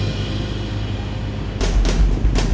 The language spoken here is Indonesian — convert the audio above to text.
saya akan membuat kue kaya ini dengan kain dan kain